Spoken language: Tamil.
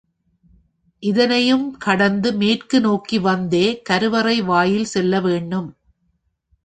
இதனையும் கடந்து மேற்கு நோக்கி வந்தே கருவறை வாயில் செல்லவேணும்.